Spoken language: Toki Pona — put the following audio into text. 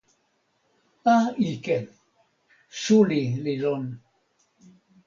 a, ike. suli li lon.